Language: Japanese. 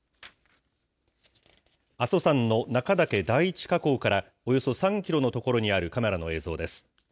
阿蘇山の中岳第一火口からおよそ３キロの所にあるカメラの映像です。